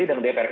dprd dan dprd